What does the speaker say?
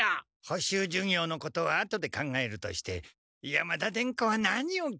補習授業のことはあとで考えるとして山田伝子は何を着れば？